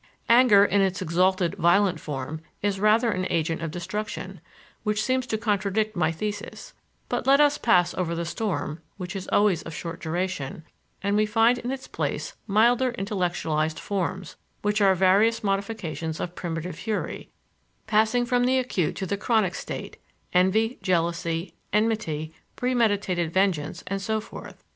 Anger, in its exalted, violent form, is rather an agent of destruction, which seems to contradict my thesis; but let us pass over the storm, which is always of short duration, and we find in its place milder intellectualized forms, which are various modifications of primitive fury, passing from the acute to the chronic state: envy, jealousy, enmity, premeditated vengeance, and so forth.